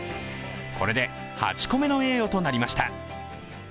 これで８個目の栄誉となりました。